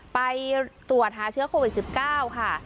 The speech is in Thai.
ไปตรวจหาเชื้อโควิด๑๙ค่ะ